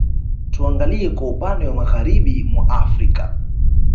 Tuangalie kwa upande wa Magharibi mwa Afrika